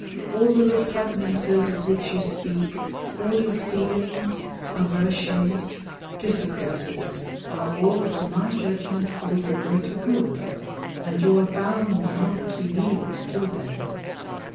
All the repugnances of which you speak, all your feelings, aversions, difficulties, are all to my judgement for your greater good, and you are bound not to yield to them.